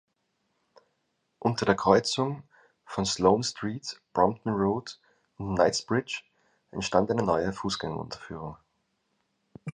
Unter der Kreuzung von Sloane Street, Brompton Road und Knightsbridge entstand eine neue Fußgängerunterführung.